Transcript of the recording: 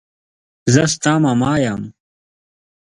زه ستا ماما يم.